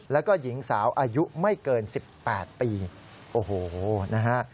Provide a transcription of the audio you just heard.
แล้วก็หญิงสาวอายุไม่เกิน๑๘ปีโอ้โหนะฮะ